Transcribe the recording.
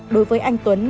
đối với anh tuấn